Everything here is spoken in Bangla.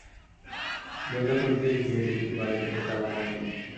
দরজা খুলতে গিয়ে দেখি বাইরে থেকে তালাবন্ধ।